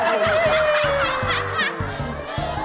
กง